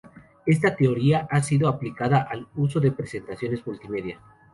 Esta teoría ha sido aplicada al uso de presentaciones multimedia.